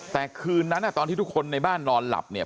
แต่คืนนั้นตอนที่ทุกคนในบ้านนอนหลับเนี่ย